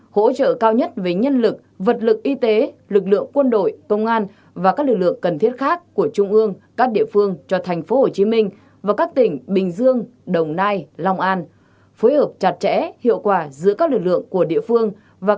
hai hỗ trợ cao nhất với nhân lực vật lực y tế lực lượng quân đội công an và các lực lượng cần thiết khác của trung ương các địa phương